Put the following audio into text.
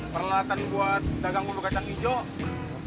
peralatan buat dagang bulu kacang hijau